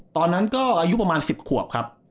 ตอนนั้นก็อายุประมาณ๑๐ขวบครับ